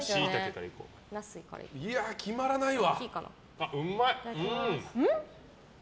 いや、決まらないわ。